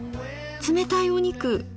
冷たいお肉。